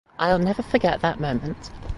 I’ll never forget that moment.